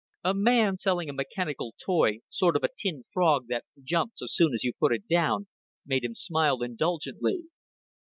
A man selling a mechanical toy sort of a tin frog that jumped so soon as you put it down made him smile indulgently.